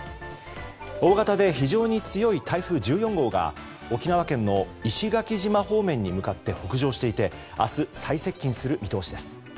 大型で非常に強い台風１４号が沖縄県の石垣島方面に向かって北上していて明日、最接近する見通しです。